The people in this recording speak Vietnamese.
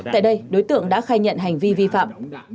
tại đây đối tượng đã khai nhận hành vi vi phạm